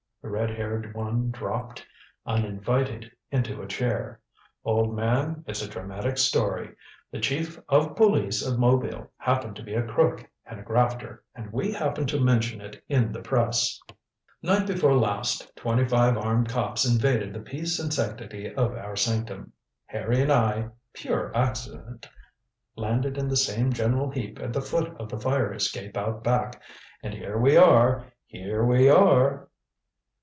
The red haired one dropped, uninvited, into a chair. "Old man, it's a dramatic story. The chief of police of Mobile happened to be a crook and a grafter, and we happened to mention it in the Press. Night before last twenty five armed cops invaded the peace and sanctity of our sanctum. Harry and I pure accident landed in the same general heap at the foot of the fire escape out back. And here we are! Here we are!"